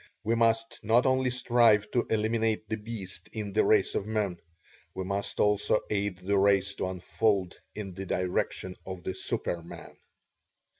We must not only strive to eliminate the beast in the race of men we must also aid the race to unfold in the direction of the super man.